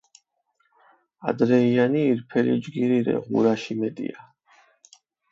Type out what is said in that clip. ადრეიანი ირფელი ჯგირი რე ღურაში მეტია.